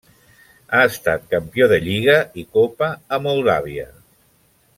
Ha estat campió de lliga i copa a Moldàvia.